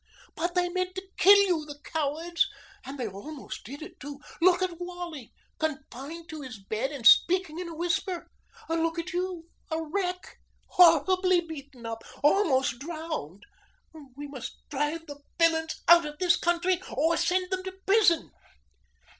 "But they meant to kill you, the cowards. And they almost did it too. Look at Wally confined to his bed and speaking in a whisper. Look at you a wreck, horribly beaten up, almost drowned. We must drive the villains out of the country or send them to prison."